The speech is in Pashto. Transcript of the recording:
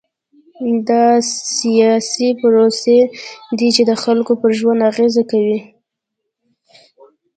دا سیاسي پروسې دي چې د خلکو پر ژوند اغېز کوي.